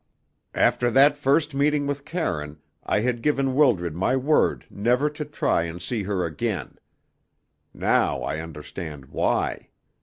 "After that first meeting with Karine I had given Wildred my word never to try and see her again; now I understand why.